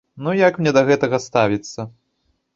Ну як мне да гэтага ставіцца?